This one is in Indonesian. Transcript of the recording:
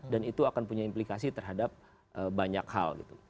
dan itu akan punya implikasi terhadap banyak hal gitu